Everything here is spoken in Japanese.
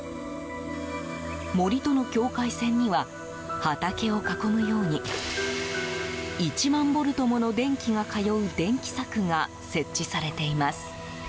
森との境界線には畑を囲むように１万ボルトもの電気が通う電気柵が設置されています。